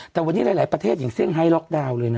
แต่วันนี้หลายประเทศอย่างเซี่ยล็อกดาวน์เลยนะ